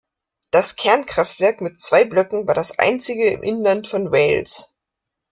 Das Kernkraftwerk mit zwei Blöcken war das einzige im Inland von Wales.